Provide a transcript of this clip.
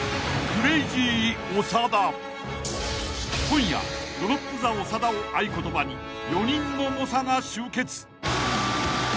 ［今夜「ドロップザ長田」を合言葉に４人の猛者が集結］